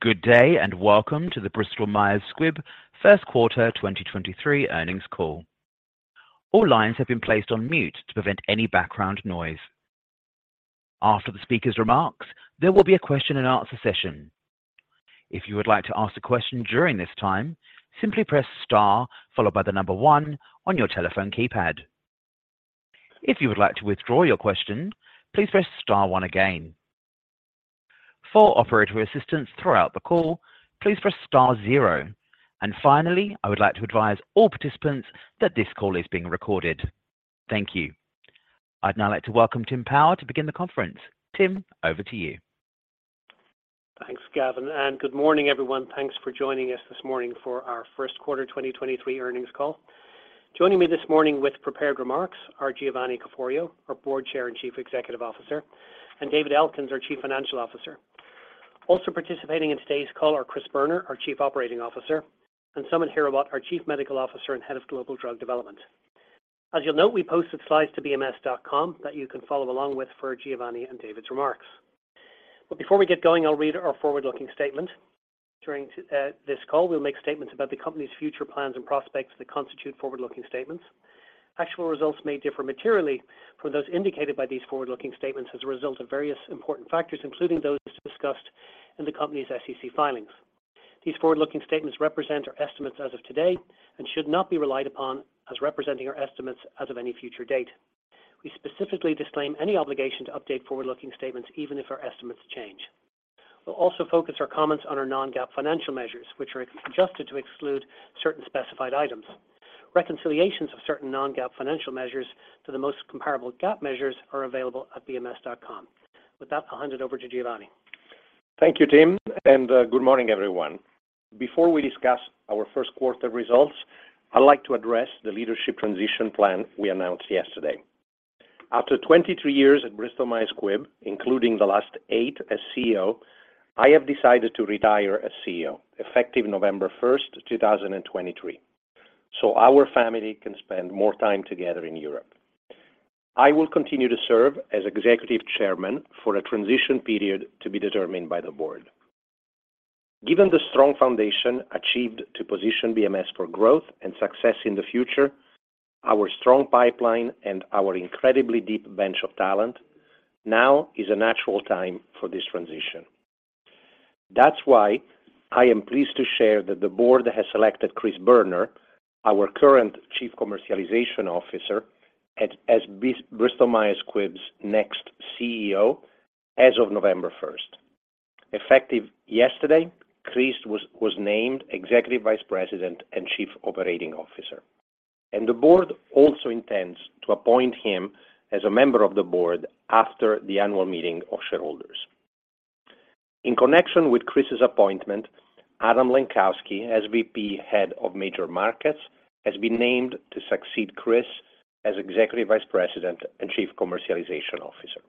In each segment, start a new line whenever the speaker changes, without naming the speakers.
Good day, and welcome to the Bristol-Myers Squibb Q1 2023 earnings call. All lines have been placed on mute to prevent any background noise. After the speaker's remarks, there will be a question and answer session. If you would like to ask a question during this time, simply press star followed by the number one on your telephone keypad. If you would like to withdraw your question, please press star one again. For operator assistance throughout the call, please press star zero. Finally, I would like to advise all participants that this call is being recorded. Thank you. I'd now like to welcome Tim Power to begin the conference. Tim, over to you.
Thanks, Gavin, and good morning, everyone. Thanks for joining us this morning for our Q1 2023 earnings call. Joining me this morning with prepared remarks are Giovanni Caforio, our Board Chair and Chief Executive Officer, and David Elkins, our Chief Financial Officer. Also participating in today's call are Chris Boerner, our Chief Operating Officer, and Samit Hirawat, our Chief Medical Officer and Head of Global Drug Development. As you'll note, we posted slides to bms.com that you can follow along with for Giovanni and David's remarks. Before we get going, I'll read our forward-looking statement. During this call, we'll make statements about the company's future plans and prospects that constitute forward-looking statements. Actual results may differ materially from those indicated by these forward-looking statements as a result of various important factors, including those discussed in the company's SEC filings. These forward-looking statements represent our estimates as of today and should not be relied upon as representing our estimates as of any future date. We specifically disclaim any obligation to update forward-looking statements, even if our estimates change. We'll also focus our comments on our non-GAAP financial measures, which are adjusted to exclude certain specified items. Reconciliations of certain non-GAAP financial measures to the most comparable GAAP measures are available at bms.com. With that, I'll hand it over to Giovanni.
Thank you, Tim. Good morning, everyone. Before we discuss our Q1 results, I'd like to address the leadership transition plan we announced yesterday. After 22 years at Bristol-Myers Squibb, including the last 8 as CEO, I have decided to retire as CEO, effective November first, 2023, so our family can spend more time together in Europe. I will continue to serve as executive chairman for a transition period to be determined by the board. Given the strong foundation achieved to position BMS for growth and success in the future, our strong pipeline and our incredibly deep bench of talent, now is a natural time for this transition. That's why I am pleased to share that the board has selected Chris Boerner, our current Chief Commercialization Officer as Bristol-Myers Squibb's next CEO as of November first. Effective yesterday, Chris was named Executive Vice President and Chief Operating Officer. The board also intends to appoint him as a member of the board after the annual meeting of shareholders. In connection with Chris's appointment, Adam Lenkowsky, SVP, Head of Major Markets, has been named to succeed Chris as Executive Vice President and Chief Commercialization Officer.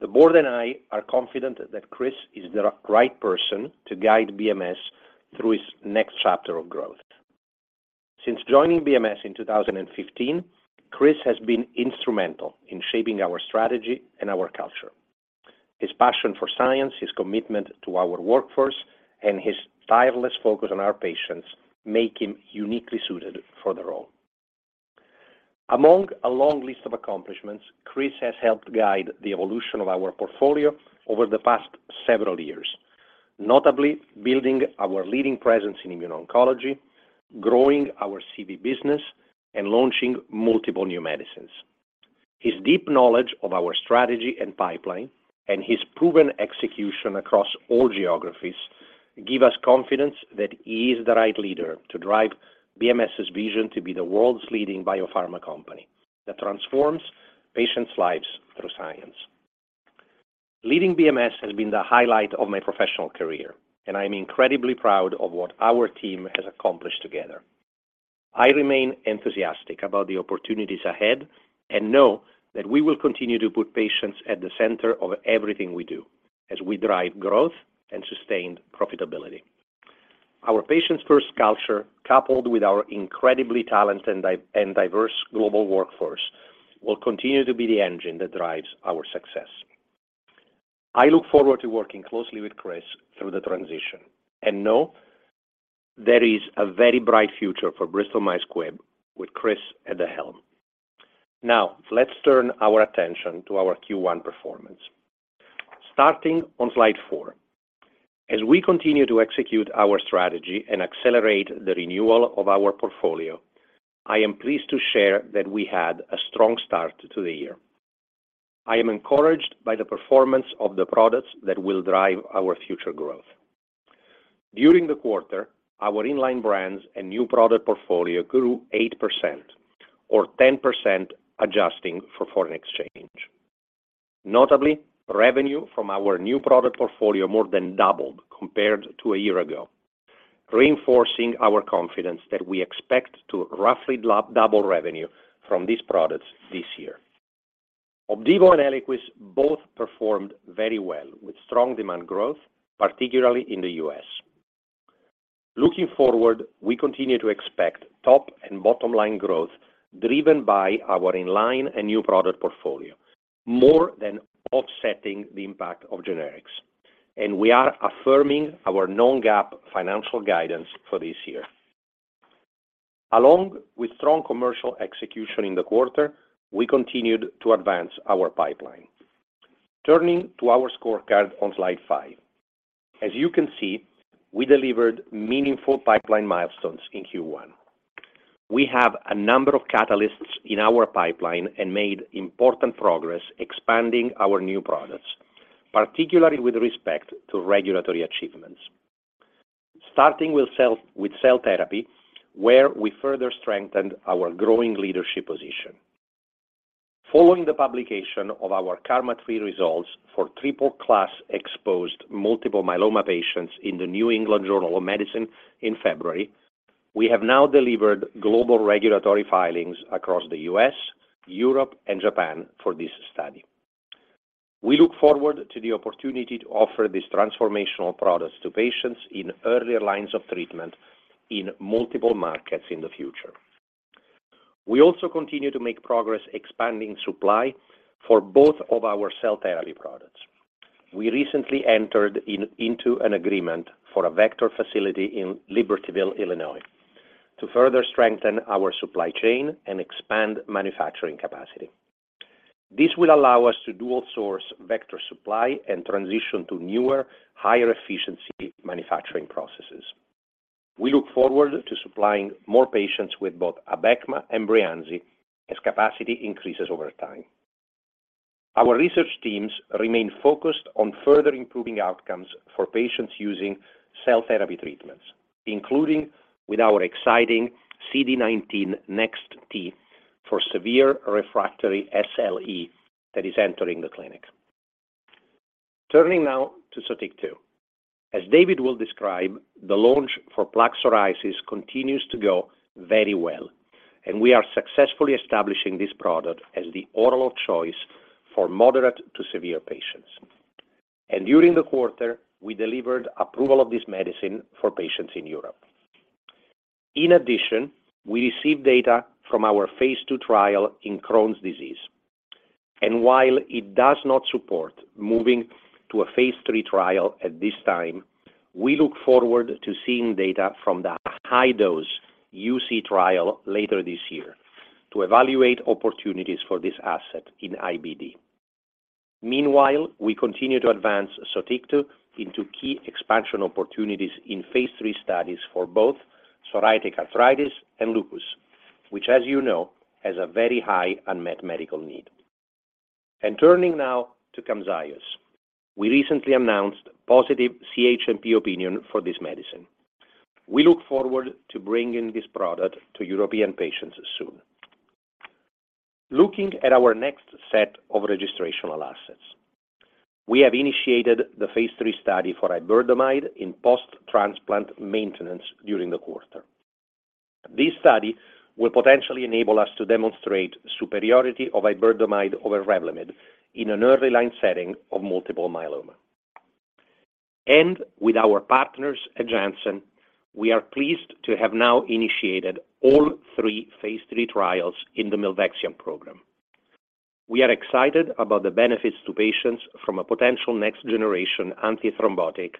The board and I are confident that Chris is the right person to guide BMS through its next chapter of growth. Since joining BMS in 2015, Chris has been instrumental in shaping our strategy and our culture. His passion for science, his commitment to our workforce, and his tireless focus on our patients make him uniquely suited for the role. Among a long list of accomplishments, Chris has helped guide the evolution of our portfolio over the past several years, notably building our leading presence in Immuno-Oncology, growing our CV business, and launching multiple new medicines. His deep knowledge of our strategy and pipeline and his proven execution across all geographies give us confidence that he is the right leader to drive BMS's vision to be the world's leading biopharma company that transforms patients' lives through science. Leading BMS has been the highlight of my professional career, and I'm incredibly proud of what our team has accomplished together. I remain enthusiastic about the opportunities ahead and know that we will continue to put patients at the center of everything we do as we drive growth and sustained profitability. Our patients-first culture, coupled with our incredibly talented and diverse global workforce, will continue to be the engine that drives our success. I look forward to working closely with Chris through the transition and know there is a very bright future for Bristol-Myers Squibb with Chris at the helm. Let's turn our attention to our Q1 performance. Starting on slide four. As we continue to execute our strategy and accelerate the renewal of our portfolio, I am pleased to share that we had a strong start to the year. I am encouraged by the performance of the products that will drive our future growth. During the quarter, our in-line brands and new product portfolio grew 8% or 10% adjusting for foreign exchange. Notably, revenue from our new product portfolio more than doubled compared to a year ago, reinforcing our confidence that we expect to roughly double revenue from these products this year. Opdivo and Eliquis both performed very well with strong demand growth, particularly in the U.S. Looking forward, we continue to expect top and bottom line growth driven by our in-line and new product portfolio, more than offsetting the impact of generics. We are affirming our non-GAAP financial guidance for this year. Along with strong commercial execution in the quarter, we continued to advance our pipeline. Turning to our scorecard on slide 5. As you can see, we delivered meaningful pipeline milestones in Q1. We have a number of catalysts in our pipeline and made important progress expanding our new products, particularly with respect to regulatory achievements. Starting with cell therapy, where we further strengthened our growing leadership position. Following the publication of our KarMMa-three results for triple class exposed multiple myeloma patients in the New England Journal of Medicine in February, we have now delivered global regulatory filings across the U.S., Europe, and Japan for this study. We look forward to the opportunity to offer these transformational products to patients in earlier lines of treatment in multiple markets in the future. We also continue to make progress expanding supply for both of our cell therapy products. We recently entered into an agreement for a vector facility in Libertyville, Illinois, to further strengthen our supply chain and expand manufacturing capacity. This will allow us to dual source vector supply and transition to newer, higher efficiency manufacturing processes. We look forward to supplying more patients with both Abecma and Breyanzi as capacity increases over time. Our research teams remain focused on further improving outcomes for patients using cell therapy treatments, including with our exciting CD19 NEX-T for severe refractory SLE that is entering the clinic. Turning now to Sotyktu. As David will describe, the launch for plaque psoriasis continues to go very well, and we are successfully establishing this product as the oral of choice for moderate to severe patients. During tIIIe quarter, we delivered approval of this medicine for patients in Europe. In addition, we received data from our phase II trial in Crohn's disease. While it does not support moving to a phase III trial at this time, we look forward to seeing data from the high-dose UC trial later this year to evaluate opportunities for this asset in IBD. Meanwhile, we continue to advance Sotyktu into key expansion opportunities in phase three studies for both psoriatic arthritis and lupus, which as you know, has a very high unmet medical need. Turning now to Camzyos. We recently announced positive CHMP opinion for this medicine. We look forward to bringing this product to European patients soon. Looking at our next set of registrational assets. We have initiated the phase III study for Iberdomide in post-transplant maintenance during the quarter. This study will potentially enable us to demonstrate superiority of Iberdomide over Revlimid in an early line setting of multiple myeloma. With our partners at Janssen, we are pleased to have now initiated all three phase III trials in the Milvexian program. We are excited about the benefits to patients from a potential next generation antithrombotic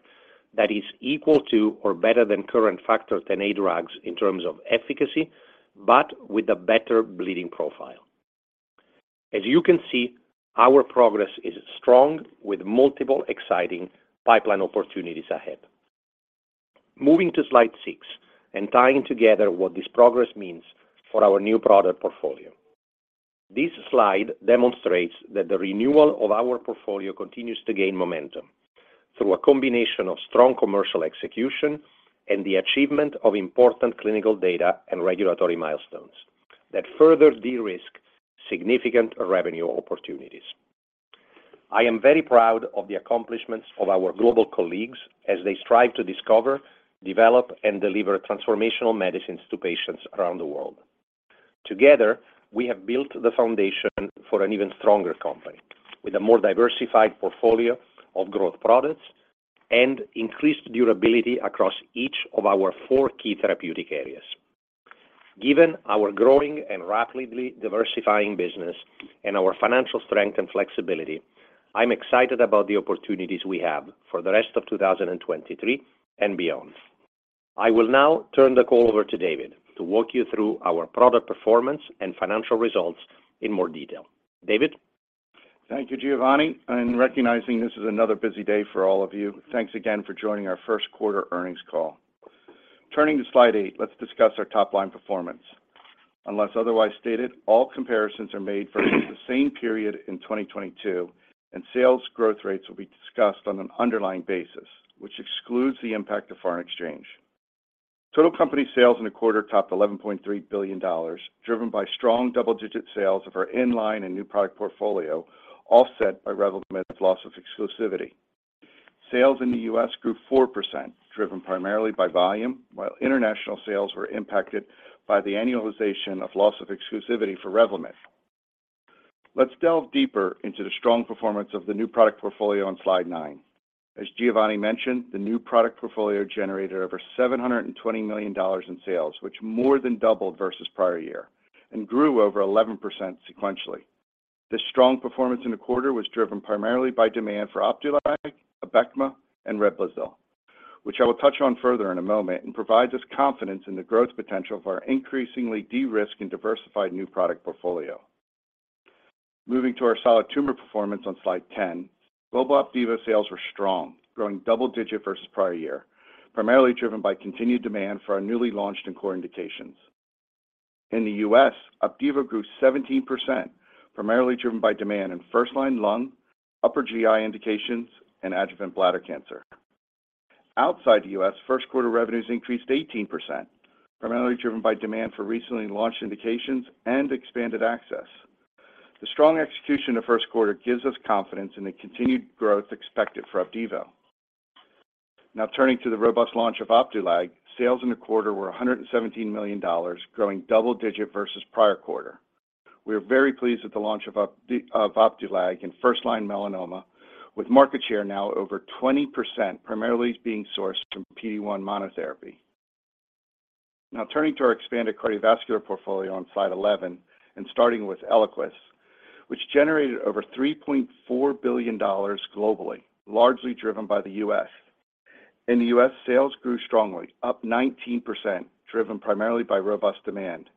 that is equal to or better than current factor ten-A drugs in terms of efficacy, but with a better bleeding profile. As you can see, our progress is strong with multiple exciting pipeline opportunities ahead. Moving to slide six and tying together what this progress means for our new product portfolio. This slide demonstrates that the renewal of our portfolio continues to gain momentum through a combination of strong commercial execution and the achievement of important clinical data and regulatory milestones that further de-risk significant revenue opportunities. I am very proud of the accomplishments of our global colleagues as they strive to discover, develop, and deliver transformational medicines to patients around the world. Together, we have built the foundation for an even stronger company with a more diversified portfolio of growth products and increased durability across each of our four key therapeutic areas. Given our growing and rapidly diversifying business and our financial strength and flexibility, I'm excited about the opportunities we have for the rest of 2023 and beyond. I will now turn the call over to David to walk you through our product performance and financial results in more detail. David?
Thank you, Giovanni. Recognizing this is another busy day for all of you, thanks again for joining our Q1 earnings call. Turning to slide eight, let's discuss our top line performance. Unless otherwise stated, all comparisons are made versus the same period in 2022. Sales growth rates will be discussed on an underlying basis, which excludes the impact of foreign exchange. Total company sales in the quarter topped $11.3 billion, driven by strong double-digit sales of our in-line and new product portfolio, offset by Revlimid's loss of exclusivity. Sales in the U.S. grew 4%, driven primarily by volume, while international sales were impacted by the annualization of loss of exclusivity for Revlimid. Let's delve deeper into the strong performance of the new product portfolio on slide nine. As Giovanni mentioned, the new product portfolio generated over $720 million in sales, which more than doubled versus prior year and grew over 11% sequentially. This strong performance in the quarter was driven primarily by demand for Opdualag, Abecma, and Reblozyl, which I will touch on further in a moment and provides us confidence in the growth potential for our increasingly de-risked and diversified new product portfolio. Moving to our solid tumor performance on Slide 10, global Opdivo sales were strong, growing double-digit versus prior year, primarily driven by continued demand for our newly launched and core indications. In the US, Opdivo grew 17%, primarily driven by demand in first-line lung, upper GI indications, and adjuvant bladder cancer. Outside the US, Q1 revenues increased 18%, primarily driven by demand for recently launched indications and expanded access. The strong execution of Q1 gives us confidence in the continued growth expected for Opdivo. Turning to the robust launch of Opdualag, sales in the quarter were $117 million, growing double digit versus prior quarter. We are very pleased with the launch of Opdualag in first-line melanoma with market share now over 20% primarily being sourced from PD-1 monotherapy. Turning to our expanded cardiovascular portfolio on slide 11 and starting with Eliquis, which generated over $3.4 billion globally, largely driven by the U.S. In the U.S., sales grew strongly, up 19%, driven primarily by robust demand.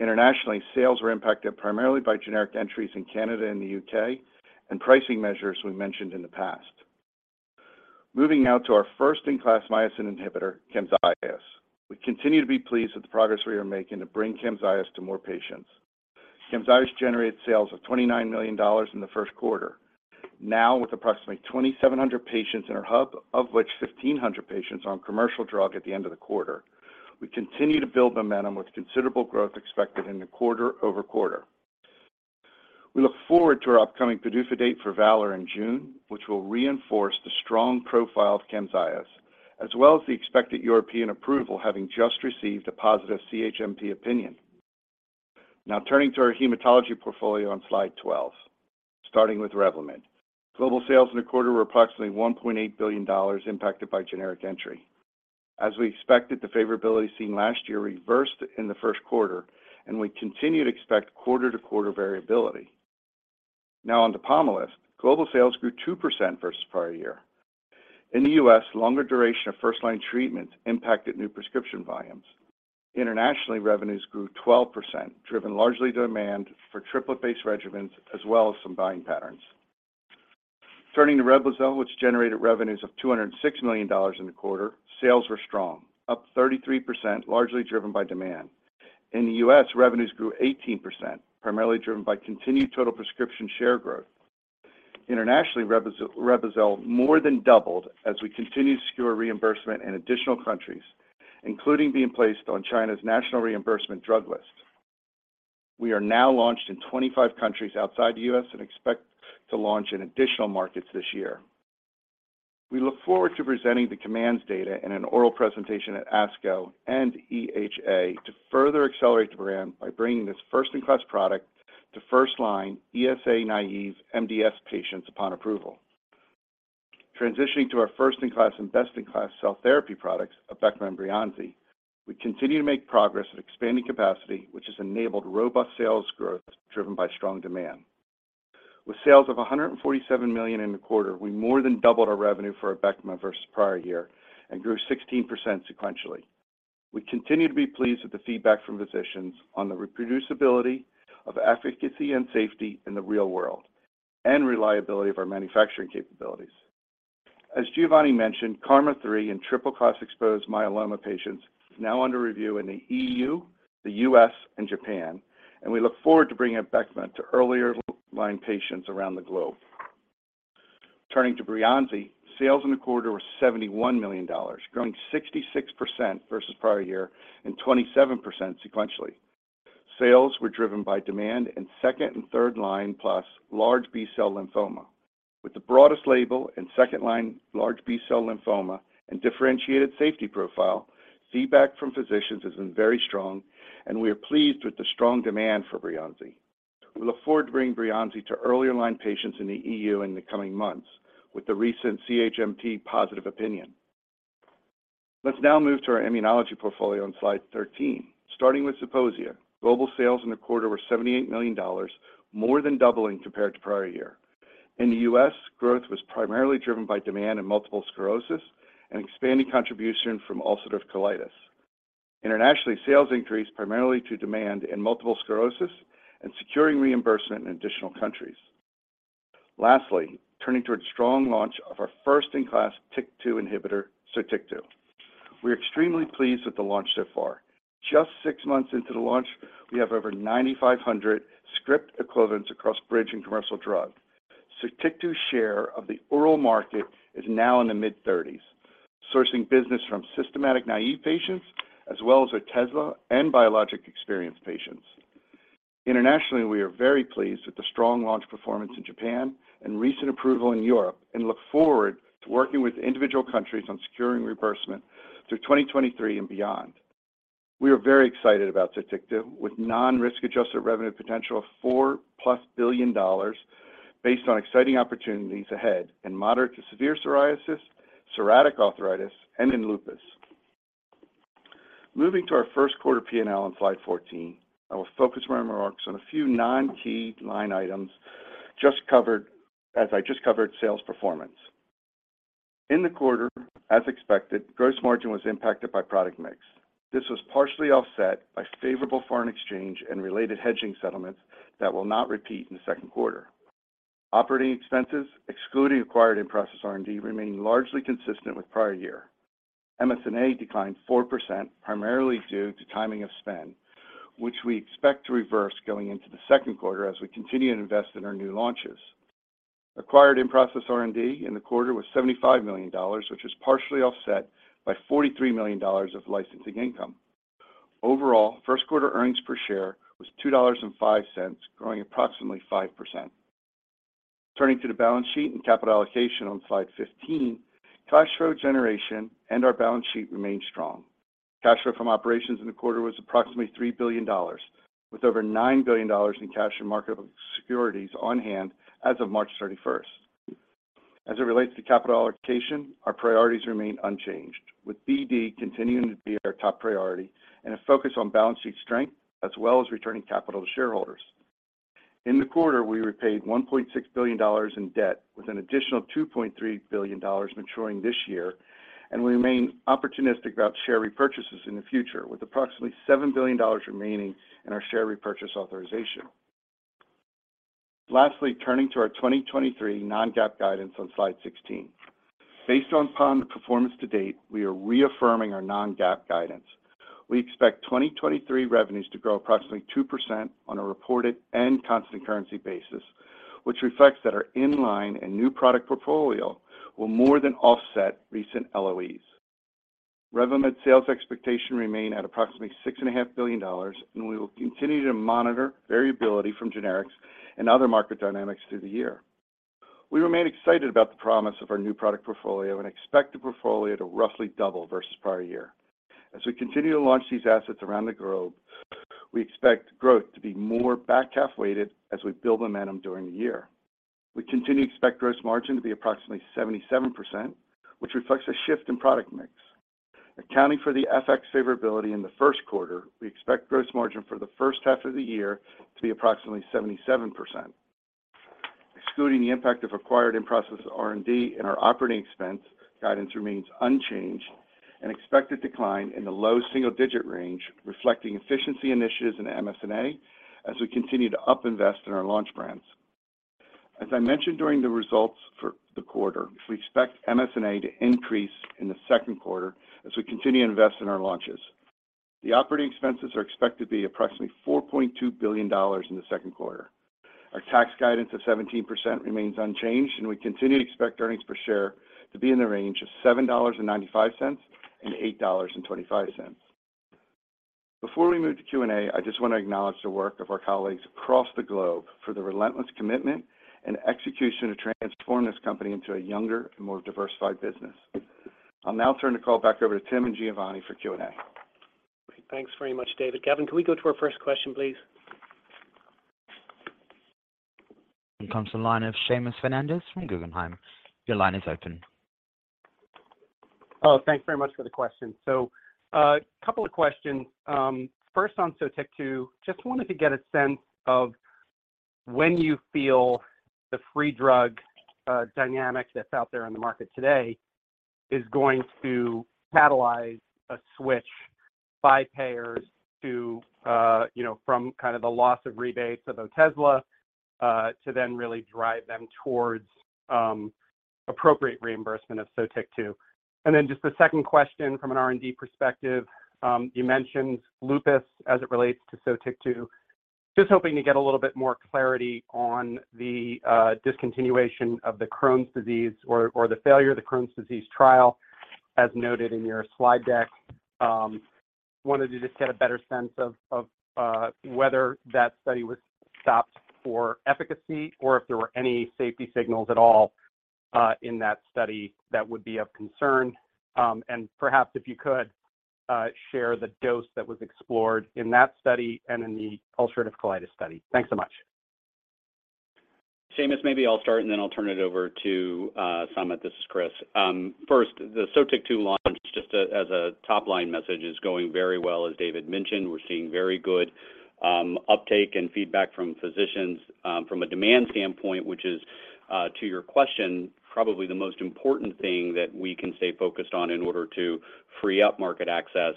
Internationally, sales were impacted primarily by generic entries in Canada and the U.K. and pricing measures we mentioned in the past. Moving now to our first-in-class myosin inhibitor, Camzyos. We continue to be pleased with the progress we are making to bring Camzyos to more patients. Camzyos generated sales of $29 million in the Q1. Now with approximately 2,700 patients in our hub, of which 1,500 patients are on commercial drug at the end of the quarter. We continue to build momentum with considerable growth expected in the quarter-over-quarter. We look forward to our upcoming PDUFA date for VALOR-HCM in June, which will reinforce the strong profile of Camzyos, as well as the expected European approval having just received a positive CHMP opinion. Now turning to our hematology portfolio on slide 12, starting with Revlimid. Global sales in the quarter were approximately $1.8 billion impacted by generic entry. As we expected, the favorability seen last year reversed in the Q1, and we continue to expect quarter-to-quarter variability. On to Pomalyst. Global sales grew 2% versus prior year. In the U.S., longer duration of first-line treatment impacted new prescription volumes. Internationally, revenues grew 12%, driven largely demand for triplet-based regimens as well as some buying patterns. Turning to Reblozyl, which generated revenues of $206 million in the quarter, sales were strong, up 33%, largely driven by demand. In the U.S., revenues grew 18%, primarily driven by continued total prescription share growth. Internationally, Reblozyl more than doubled as we continue to secure reimbursement in additional countries, including being placed on China's national reimbursement drug list. We are now launched in 25 countries outside the U.S. and expect to launch in additional markets this year. We look forward to presenting the COMMANDS data in an oral presentation at ASCO and EHA to further accelerate the brand by bringing this first-in-class product to first-line ESA-naive MDS patients upon approval. Transitioning to our first-in-class and best-in-class cell therapy products, Abecma and Breyanzi, we continue to make progress at expanding capacity, which has enabled robust sales growth driven by strong demand. With sales of $147 million in the quarter, we more than doubled our revenue for Abecma versus prior year and grew 16% sequentially. We continue to be pleased with the feedback from physicians on the reproducibility of efficacy and safety in the real world and reliability of our manufacturing capabilities. As Giovanni mentioned, KarMMa-three in triple class-exposed myeloma patients is now under review in the EU, the U.S., and Japan. We look forward to bringing Abecma to earlier line patients around the globe. Turning to Breyanzi, sales in the quarter were $71 million, growing 66% versus prior year and 27% sequentially. Sales were driven by demand in second and third-line+ large B-cell lymphoma. With the broadest label in second-line large B-cell lymphoma and differentiated safety profile, feedback from physicians has been very strong. We are pleased with the strong demand for Breyanzi. We look forward to bringing Breyanzi to earlier line patients in the EU in the coming months with the recent CHMP positive opinion. Let's now move to our immunology portfolio on slide 13. Starting with Sotyktu, global sales in the quarter were $78 million, more than doubling compared to prior year. In the U.S., growth was primarily driven by demand in multiple sclerosis and expanding contribution from ulcerative colitis. Internationally, sales increased primarily to demand in multiple sclerosis and securing reimbursement in additional countries. Lastly, turning toward the strong launch of our first-in-class TYK2 inhibitor, Sotyktu. We're extremely pleased with the launch so far. Just six months into the launch, we have over 9,500 script equivalents across bridge and commercial drug. Sotyktu's share of the oral market is now in the mid-30s, sourcing business from systematic naive patients as well as our Zeposia and biologic experienced patients. Internationally, we are very pleased with the strong launch performance in Japan and recent approval in Europe, and look forward to working with individual countries on securing reimbursement through 2023 and beyond. We are very excited about Sotyktu, with non-risk adjusted revenue potential of $4+ billion based on exciting opportunities ahead in moderate to severe psoriasis, psoriatic arthritis, and in lupus. Moving to our Q1 P&L on slide 14, I will focus my remarks on a few non-key line items as I just covered sales performance. In the quarter, as expected, gross margin was impacted by product mix. This was partially offset by favorable foreign exchange and related hedging settlements that will not repeat in the Q2. Operating expenses, excluding acquired in-process R&D, remained largely consistent with prior year. MS&A declined 4%, primarily due to timing of spend, which we expect to reverse going into the Q2 as we continue to invest in our new launches. Acquired in-process R&D in the quarter was $75 million, which was partially offset by $43 million of licensing income. Overall, Q1 earnings per share was $2.05, growing approximately 5%. Turning to the balance sheet and capital allocation on slide 15, cash flow generation and our balance sheet remained strong. Cash flow from operations in the quarter was approximately $3 billion, with over $9 billion in cash and marketable securities on hand as of March 31st. As it relates to capital allocation, our priorities remain unchanged, with BD continuing to be our top priority and a focus on balance sheet strength, as well as returning capital to shareholders. In the quarter, we repaid $1.6 billion in debt, with an additional $2.3 billion maturing this year, and we remain opportunistic about share repurchases in the future, with approximately $7 billion remaining in our share repurchase authorization. Lastly, turning to our 2023 non-GAAP guidance on slide 16. Based on performance to date, we are reaffirming our non-GAAP guidance. We expect 2023 revenues to grow approximately 2% on a reported and constant currency basis, which reflects that our inline and new product portfolio will more than offset recent LOE. Revlimid sales expectation remain at approximately six and a half billion dollars, and we will continue to monitor variability from generics and other market dynamics through the year. We remain excited about the promise of our new product portfolio and expect the portfolio to roughly double versus prior year. As we continue to launch these assets around the globe, we expect growth to be more back-half weighted as we build momentum during the year. We continue to expect gross margin to be approximately 77%, which reflects a shift in product mix. Accounting for the FX favorability in the Q1, we expect gross margin for the first half of the year to be approximately 77%. Excluding the impact of acquired in-process R&D and our operating expense, guidance remains unchanged, an expected decline in the low single-digit range, reflecting efficiency initiatives in MS&A as we continue to up-invest in our launch brands. As I mentioned during the results for the quarter, we expect MS&A to increase in the Q2 as we continue to invest in our launches. The operating expenses are expected to be approximately $4.2 billion in the Q2. Our tax guidance of 17% remains unchanged, and we continue to expect earnings per share to be in the range of $7.95 and $8.25. Before we move to Q&A, I just want to acknowledge the work of our colleagues across the globe for the relentless commitment and execution to transform this company into a younger and more diversified business. I'll now turn the call back over to Tim Power and Giovanni Caforio for Q&A.
Great. Thanks very much, David. Gavin, can we go to our first question, please?
Here comes the line of Seamus Fernandez from Guggenheim. Your line is open.
Thanks very much for the question. Couple of questions. First on Sotyktu, just wanted to get a sense of when you feel the free drug dynamic that's out there on the market today is going to catalyze a switch by payers to, you know, from kind of the loss of rebates of Otezla, to then really drive them towards appropriate reimbursement of Sotyktu. Just the second question from an R&D perspective, you mentioned lupus as it relates to Sotyktu. Just hoping to get a little bit more clarity on the discontinuation of the Crohn's disease or the failure of the Crohn's disease trial, as noted in your slide deck. Wanted to just get a better sense of, whether that study was stopped for efficacy or if there were any safety signals at all, in that study that would be of concern. Perhaps if you could, share the dose that was explored in that study and in the ulcerative colitis study. Thanks so much.
Seamus, maybe I'll start, and then I'll turn it over to Samit. This is Chris. First, the Sotyktu launch, just as a top-line message, is going very well, as David mentioned. We're seeing very good uptake and feedback from physicians, from a demand standpoint, which is to your question, probably the most important thing that we can stay focused on in order to free up market access.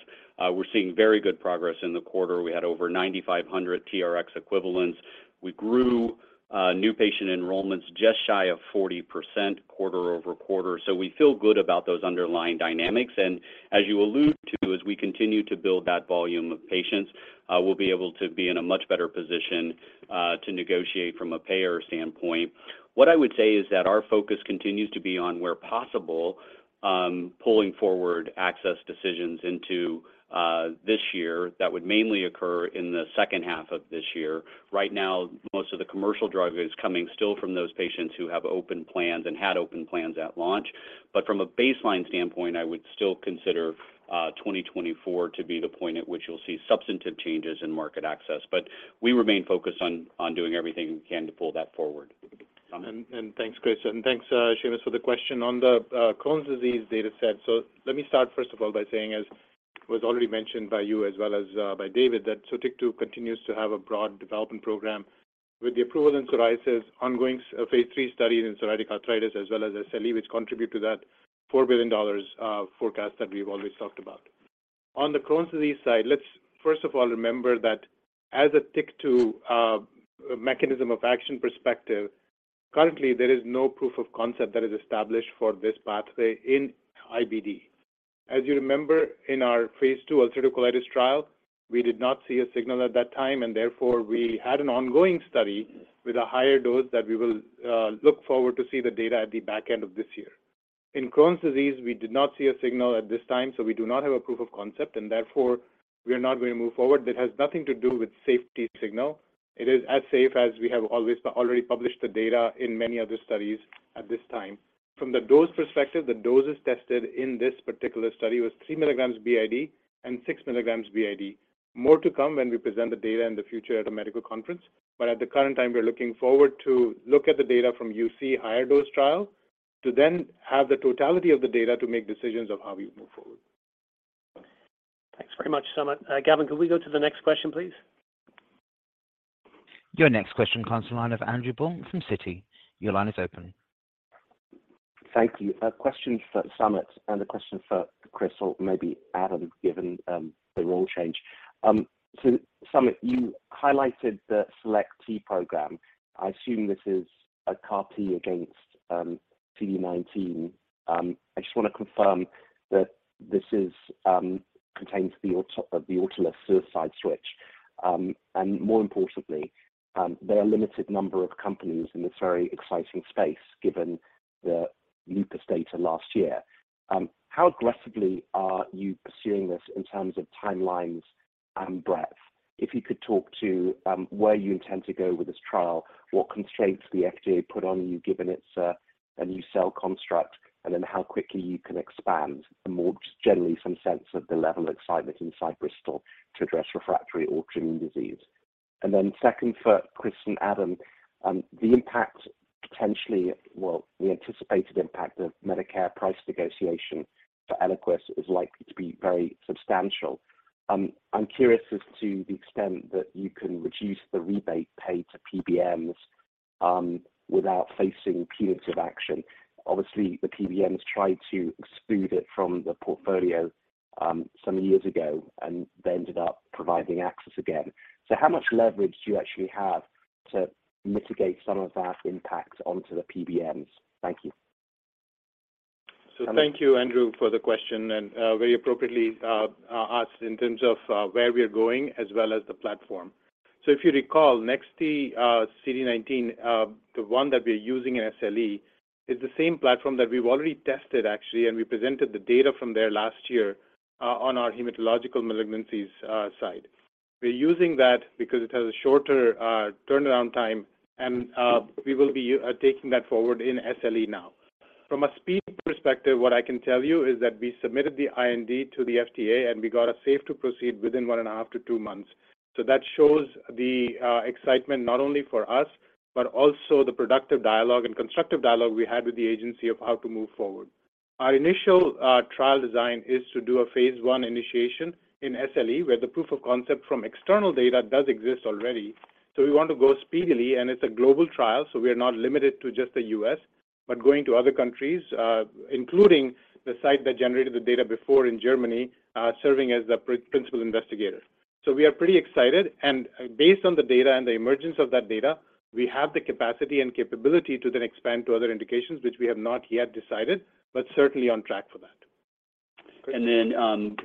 We're seeing very good progress in the quarter. We had over 9,500 TRX equivalents. We grew new patient enrollments just shy of 40% quarter-over-quarter. We feel good about those underlying dynamics. As you allude to, as we continue to build that volume of patients, we'll be able to be in a much better position to negotiate from a payer standpoint. What I would say is that our focus continues to be on, where possible, pulling forward access decisions into this year that would mainly occur in the second half of this year. Right now, most of the commercial drive is coming still from those patients who have open plans and had open plans at launch. From a baseline standpoint, I would still consider 2024 to be the point at which you'll see substantive changes in market access. We remain focused on doing everything we can to pull that forward.
Thanks, Chris. Thanks, Seamus, for the question on the Crohn's disease data set. Let me start first of all by saying, as was already mentioned by you as well as by David, that Sotyktu continues to have a broad development program with the approval in psoriasis, ongoing phase three studies in psoriatic arthritis, as well as SLE, which contribute to that $4 billion forecast that we've always talked about. On the Crohn's disease side, let's first of all remember that as Sotyktu mechanism of action perspective, currently there is no proof of concept that is established for this pathway in IBD. As you remember in our phase II ulcerative colitis trial, we did not see a signal at that time, therefore we had an ongoing study with a higher dose that we will look forward to see the data at the back end of this year. In Crohn's disease, we did not see a signal at this time, we do not have a proof of concept and therefore we are not going to move forward. That has nothing to do with safety signal. It is as safe as we have already published the data in many other studies at this time. From the dose perspective, the doses tested in this particular study was three milligrams BID and six milligrams BID. More to come when we present the data in the future at a medical conference. At the current time, we are looking forward to look at the data from UC higher dose trial to then have the totality of the data to make decisions of how we move forward.
Thanks very much, Samit. Gavin, could we go to the next question, please?
Your next question comes to line of Andrew Baum from Citi. Your line is open.
Thank you. A question for Samit and a question for Chris, or maybe Adam, given the role change. Samit, you highlighted the Select T program. I assume this is a CAR T against CD19. I just want to confirm that this contains the Autolus suicide switch. More importantly, there are a limited number of companies in this very exciting space given the lupus data last year. How aggressively are you pursuing this in terms of timelines and breadth? If you could talk to where you intend to go with this trial, what constraints the FDA put on you given it's a new cell construct, and then how quickly you can expand and more just generally some sense of the level of excitement inside Bristol-Myers Squibb to address refractory autoimmune disease. Second for Chris and Adam, the impact potentially, well, the anticipated impact of Medicare price negotiation for Eliquis is likely to be very substantial. I'm curious as to the extent that you can reduce the rebate paid to PBMs without facing punitive action. Obviously, the PBMs tried to exclude it from the portfolio some years ago, and they ended up providing access again. How much leverage do you actually have to mitigate some of that impact onto the PBMs? Thank you.
Thank you, Andrew, for the question and very appropriately asked in terms of where we are going as well as the platform. If you recall, NEX-T CD19, the one that we're using in SLE is the same platform that we've already tested actually, and we presented the data from there last year on our hematological malignancies side. We're using that because it has a shorter turnaround time and we will be taking that forward in SLE now. From a speed perspective, what I can tell you is that we submitted the IND to the FDA, and we got a safe to proceed within 1.5-2 months. That shows the excitement not only for us, but also the productive dialogue and constructive dialogue we had with the agency of how to move forward. Our initial trial design is to do a phase 1 initiation in SLE, where the proof of concept from external data does exist already. We want to go speedily, and it's a global trial, so we are not limited to just the U.S., but going to other countries, including the site that generated the data before in Germany, serving as the principal investigator. We are pretty excited and based on the data and the emergence of that data, we have the capacity and capability to then expand to other indications which we have not yet decided, but certainly on track for that.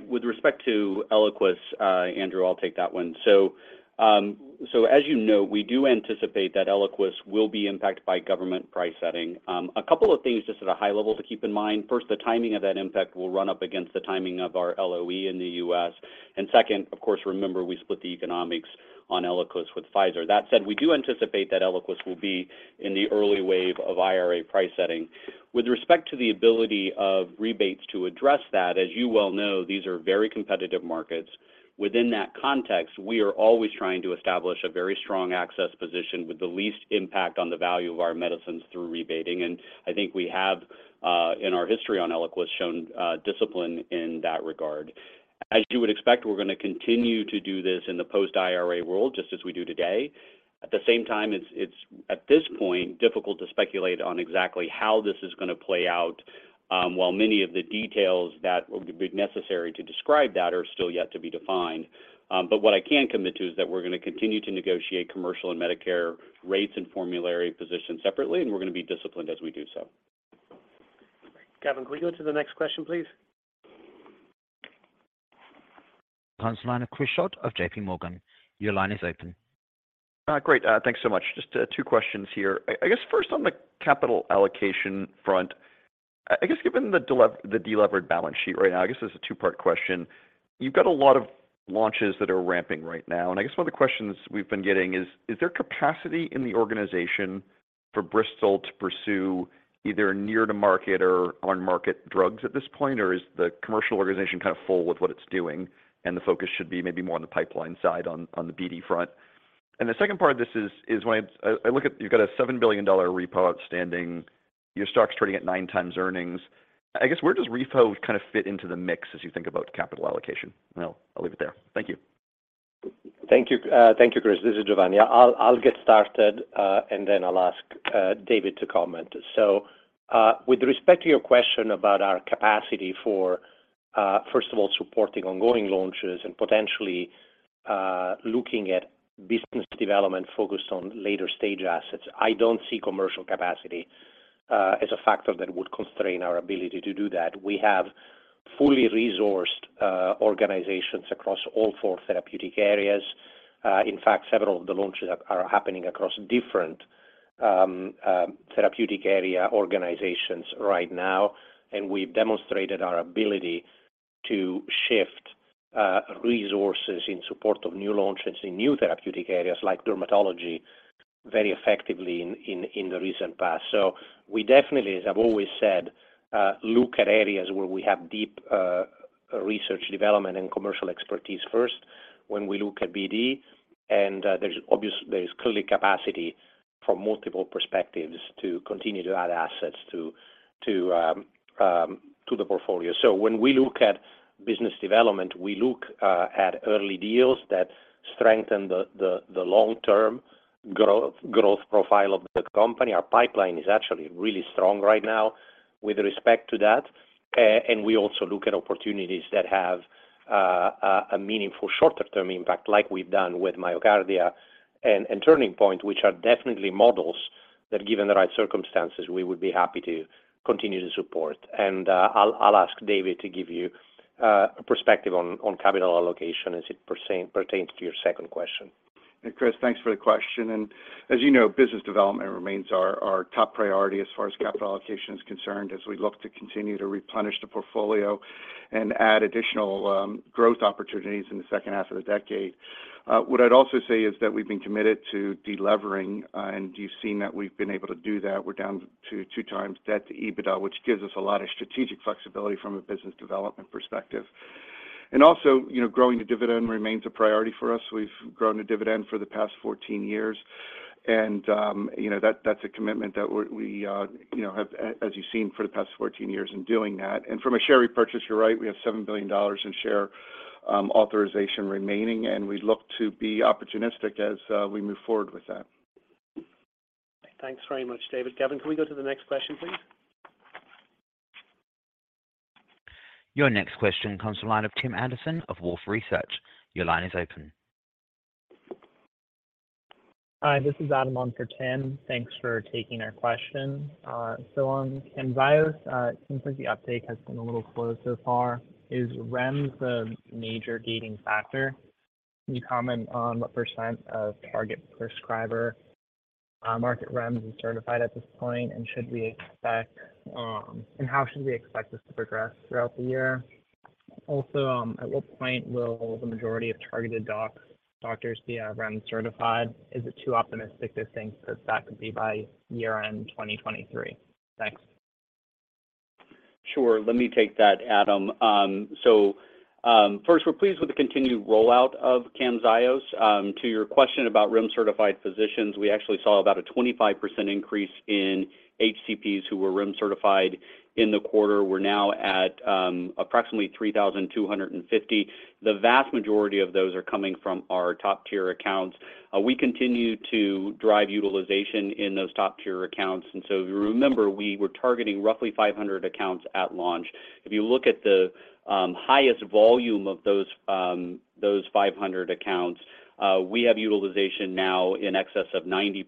With respect to Eliquis, Andrew, I'll take that one. As you know, we do anticipate that Eliquis will be impacted by government price setting. A couple of things just at a high level to keep in mind. First, the timing of that impact will run up against the timing of our LOE in the U.S. Second, of course, remember we split the economics on Eliquis with Pfizer. That said, we do anticipate that Eliquis will be in the early wave of IRA price setting. With respect to the ability of rebates to address that, as you well know, these are very competitive markets. Within that context, we are always trying to establish a very strong access position with the least impact on the value of our medicines through rebating. I think we have in our history on Eliquis shown discipline in that regard. As you would expect, we're gonna continue to do this in the post-IRA world, just as we do today. At the same time, it's at this point, difficult to speculate on exactly how this is gonna play out, while many of the details that would be necessary to describe that are still yet to be defined. What I can commit to is that we're gonna continue to negotiate commercial and Medicare rates and formulary positions separately, and we're gonna be disciplined as we do so. Gavin, can we go to the next question, please?
Consular Chris Schott of J.P. Morgan. Your line is open.
Great. Thanks so much. Just two questions here. I guess first on the capital allocation front, I guess given the delevered balance sheet right now, I guess this is a two-part question. You've got a lot of launches that are ramping right now, and I guess one of the questions we've been getting is there capacity in the organization for Bristol to pursue either near to market or on market drugs at this point? Or is the commercial organization kind of full with what it's doing and the focus should be maybe more on the pipeline side on the BD front?
The second part of this is when I look at you've got a $7 billion repo outstanding, your stock's trading at nine x earnings. I guess where does repo kind of fit into the mix as you think about capital allocation? I'll leave it there. Thank you.
Thank you. Thank you, Chris. This is Giovanni. I'll get started, and then I'll ask David to comment. With respect to your question about our capacity for, first of all, supporting ongoing launches and potentially looking at business development focused on later-stage assets, I don't see commercial capacity as a factor that would constrain our ability to do that. We have fully resourced organizations across all four therapeutic areas. In fact, several of the launches are happening across different therapeutic area organizations right now, and we've demonstrated our ability to shift resources in support of new launches in new therapeutic areas like dermatology very effectively in the recent past. We definitely, as I've always said, look at areas where we have deep research development and commercial expertise first when we look at BD. There's clearly capacity from multiple perspectives to continue to add assets to the portfolio. When we look at business development, we look at early deals that strengthen the long-term growth profile of the company. Our pipeline is actually really strong right now with respect to that. We also look at opportunities that have a meaningful shorter-term impact like we've done with MyoKardia and Turning Point, which are definitely models that given the right circumstances, we would be happy to continue to support. I'll ask David to give you a perspective on capital allocation as it pertains to your second question.
Chris, thanks for the question. As you know, business development remains our top priority as far as capital allocation is concerned as we look to continue to replenish the portfolio and add additional growth opportunities in the second half of the decade. What I'd also say is that we've been committed to de-levering, and you've seen that we've been able to do that. We're down to two times debt-to-EBITDA, which gives us a lot of strategic flexibility from a business development perspective. Also, you know, growing the dividend remains a priority for us. We've grown a dividend for the past 14 years. You know, that's a commitment that we, you know, have as you've seen for the past 14 years in doing that.
From a share repurchase, you're right, we have $7 billion in share authorization remaining, and we look to be opportunistic as we move forward with that.
Thanks very much, David. Kevin, can we go to the next question, please?
Your next question comes from the line of Tim Anderson of Wolfe Research. Your line is open. Hi, this is Adam on for Tim. Thanks for taking our question. On Camzyos, it seems like the uptake has been a little slow so far. Is REMS the major gating factor? Can you comment on what % of target prescriber market REMS is certified at this point? How should we expect this to progress throughout the year? At what point will the majority of targeted doctors be REMS certified? Is it too optimistic to think that that could be by year-end 2023? Thanks.
Sure. Let me take that, Adam. First, we're pleased with the continued rollout of Camzyos. To your question about REMS-certified physicians, we actually saw about a 25% increase in HCPs who were REMS certified in the quarter. We're now at approximately 3,250. The vast majority of those are coming from our top-tier accounts. We continue to drive utilization in those top-tier accounts. If you remember, we were targeting roughly 500 accounts at launch. If you look at the highest volume of those 500 accounts, we have utilization now in excess of 90%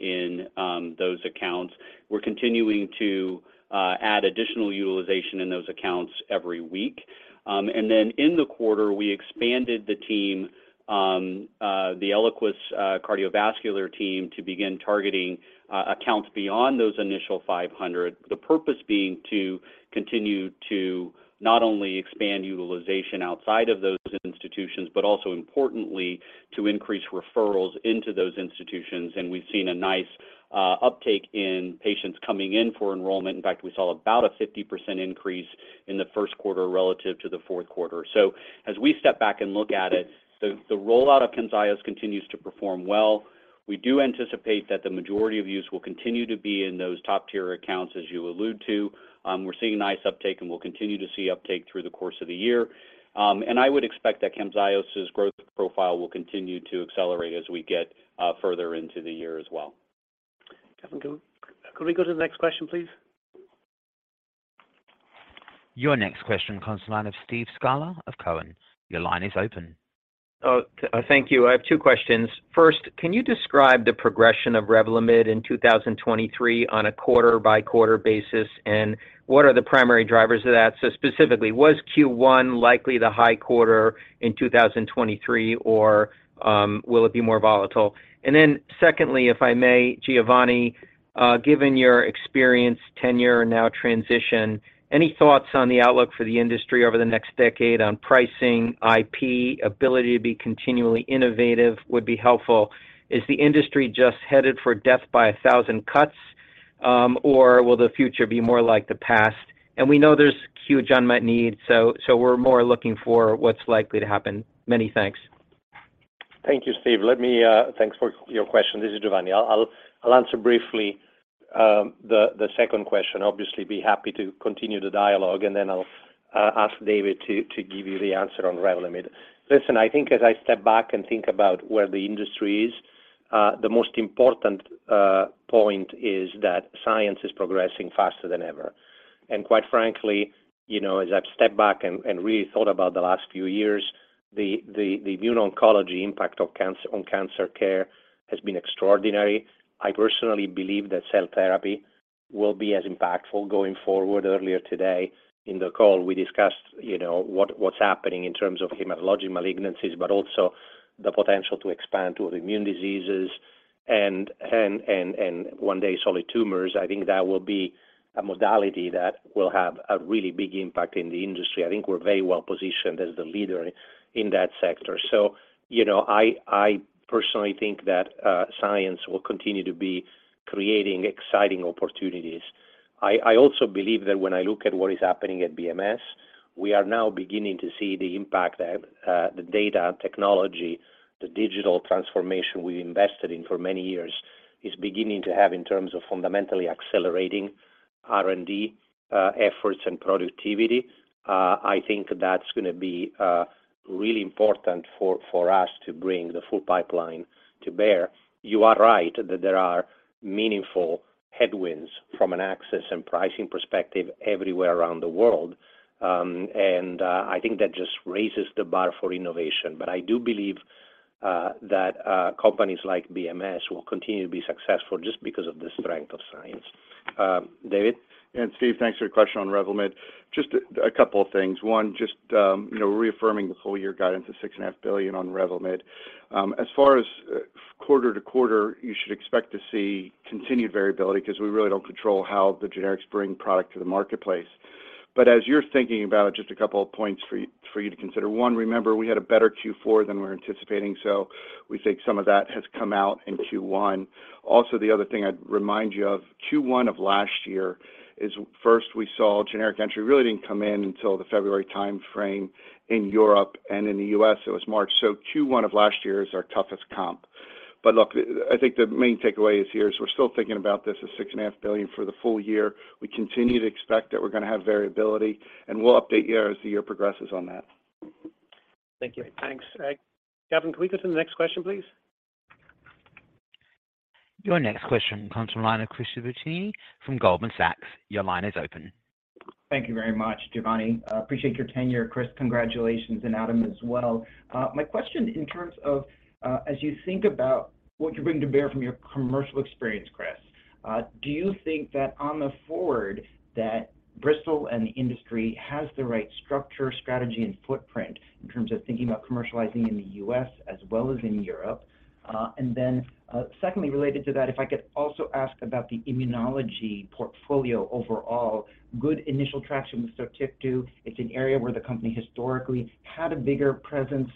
in those accounts. We're continuing to add additional utilization in those accounts every week. In the quarter, we expanded the team, the Eliquis cardiovascular team to begin targeting accounts beyond those initial 500. The purpose being to continue to not only expand utilization outside of those institutions, but also importantly, to increase referrals into those institutions. We've seen a nice uptake in patients coming in for enrollment. In fact, we saw about a 50% increase in the Q1 relative to the Q4. As we step back and look at it, the rollout of Camzyos continues to perform well. We do anticipate that the majority of use will continue to be in those top-tier accounts, as you allude to. We're seeing a nice uptake, and we'll continue to see uptake through the course of the year. I would expect that Camzyos' growth profile will continue to accelerate as we get further into the year as well.
Kevin, can we go to the next question, please?
Your next question comes to the line of Steve Scala of Cowen. Your line is open.
Thank you. I have two questions. First, can you describe the progression of Revlimid in 2023 on a quarter-by-quarter basis, and what are the primary drivers of that? Specifically, was Q1 likely the high quarter in 2023, or will it be more volatile? Secondly, if I may, Giovanni, given your experience, tenure, now transition, any thoughts on the outlook for the industry over the next decade on pricing, IP, ability to be continually innovative would be helpful. Is the industry just headed for death by a 1,000 cuts? Or will the future be more like the past? We know there's huge unmet needs, so we're more looking for what's likely to happen. Many thanks.
Thank you, Steve. Let me, thanks for your question. This is Giovanni. I'll answer briefly, the second question. Obviously, be happy to continue the dialogue, and then I'll ask David to give you the answer on Revlimid. Listen, I think as I step back and think about where the industry is, the most important point is that science is progressing faster than ever. Quite frankly, you know, as I've stepped back and really thought about the last few years, the Immuno-Oncology impact of cancer on cancer care has been extraordinary. I personally believe that cell therapy will be as impactful going forward. Earlier today in the call, we discussed, you know, what's happening in terms of hematologic malignancies, but also the potential to expand to immune diseases and one day solid tumors. I think that will be a modality that will have a really big impact in the industry. I think we're very well-positioned as the leader in that sector. You know, I personally think that science will continue to be creating exciting opportunities. I also believe that when I look at what is happening at BMS, we are now beginning to see the impact that the data technology, the digital transformation we've invested in for many years is beginning to have in terms of fundamentally accelerating R&D efforts and productivity. I think that's gonna be really important for us to bring the full pipeline to bear. You are right that there are meaningful headwinds from an access and pricing perspective everywhere around the world. I think that just raises the bar for innovation. I do believe that companies like BMS will continue to be successful just because of the strength of science. David?
Yeah, Steve, thanks for your question on Revlimid. Just a couple of things. One, just, you know, reaffirming the full-year guidance of six and a half billion on Revlimid. As far as quarter to quarter, you should expect to see continued variability 'cause we really don't control how the generics bring product to the marketplace. As you're thinking about just a couple of points for you to consider. One, remember, we had a better Q4 than we're anticipating, so we think some of that has come out in Q1. Also, the other thing I'd remind you of, Q1 of last year is first we saw generic entry really didn't come in until the February timeframe in Europe and in the US it was March. Q1 of last year is our toughest comp. Look, I think the main takeaway here is we're still thinking about this as $6.5 billion for the full year. We continue to expect that we're going to have variability, and we'll update you as the year progresses on that.
Thank you.
Great. Thanks. Gavin, can we go to the next question, please?
Your next question comes from the line of Chris Shibutani from Goldman Sachs. Your line is open.
Thank you very much, Giovanni. Appreciate your tenure, Chris. Congratulations, and Adam as well. My question in terms of, as you think about what you bring to bear from your commercial experience, Chris, do you think that on the forward that Bristol and the industry has the right structure, strategy, and footprint in terms of thinking about commercializing in the U.S. as well as in Europe? Secondly, related to that, if I could also ask about the immunology portfolio overall. Good initial traction with Sotyktu. It's an area where the company historically had a bigger presence,